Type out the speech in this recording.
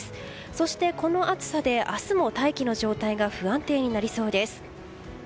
そしてこの暑さで明日も大気の状態が不安定になりそうです。